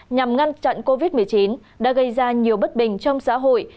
nhằm ngăn chặn covid một mươi chín đã gây ra nhiều bất bình trong xã hội